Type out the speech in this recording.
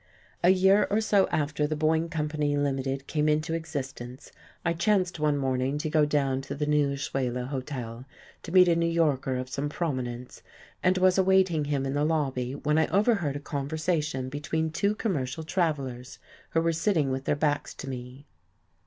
A year or so after the Boyne Company, Ltd., came into existence I chanced one morning to go down to the new Ashuela Hotel to meet a New Yorker of some prominence, and was awaiting him in the lobby, when I overheard a conversation between two commercial travellers who were sitting with their backs to me.